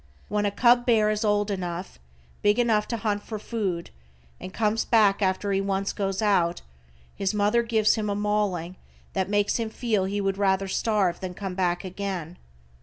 When a cub bear is old enough, big enough to hunt for food, and comes back after he once goes out, his mother gives him a mauling that makes him feel he would rather starve than come back again.